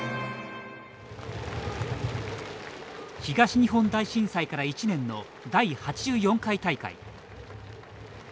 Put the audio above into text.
東日本大震災から１年の第８４回大会。